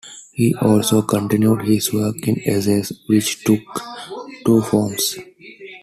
He also continued his work in essays, which took two forms.